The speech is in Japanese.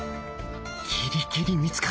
ギリギリ見つかった！